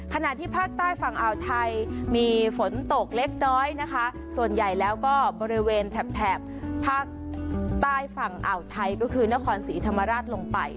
ขณะที่ภาคใต้ฝั่งอ่าวไทยมีฝนตกเล็กน้อยนะคะส่วนใหญ่แล้วก็บริเวณแถบแถบภาคใต้ฝั่งอ่าวไทยก็คือนครศรีธรรมราชลงไป